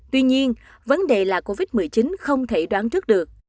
tuy nhiên vấn đề là covid một mươi chín không thể đoán trước được